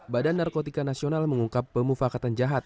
badan narkotika nasional mengungkap pemufakatan jahat